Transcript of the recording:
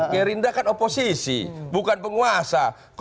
gerinda kan oposisi bukan penguasa